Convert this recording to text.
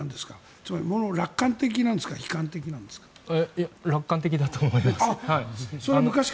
つまり、楽観的なんですか悲観的なんですか？